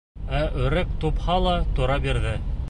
Ә өрәк тупһала тора бирҙе.